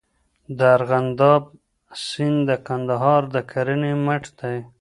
د ارغنداب سیند د کندهار د کرنې مټ دی.